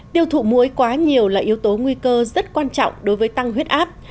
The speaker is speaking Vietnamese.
tiêu thụ muối quá nhiều là yếu tố nguy cơ rất quan trọng đối với tăng huyết áp